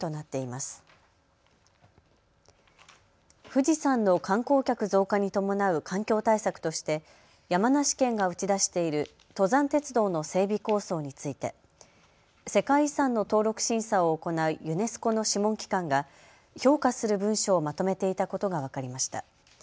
富士山の観光客増加に伴う環境対策として山梨県が打ち出している登山鉄道の整備構想について世界遺産の登録審査を行うユネスコの諮問機関が評価する文書をまとめていたことが分かりました。